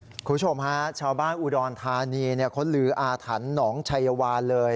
คุณผู้ชมฮะชาวบ้านอุดรธานีเขาลืออาถรรพ์หนองชัยวานเลย